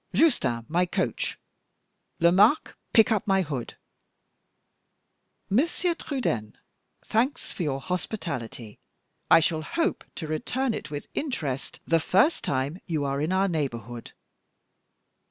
Justin, my coach! Lomaque, pick up my hood. Monsieur Trudaine, thanks for your hospitality; I shall hope to return it with interest the first time you are in our neighborhood.